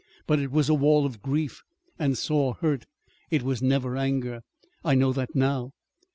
But it was a wall of grief and sore hurt. It was never anger. I know that now.